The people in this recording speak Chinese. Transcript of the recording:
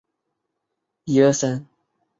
下原尖位于舌面。